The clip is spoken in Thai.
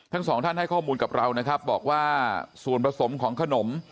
ทั้งสองท่านให้ข้อมูลกับเรานะครับบอกว่าส่วนผสมของขนม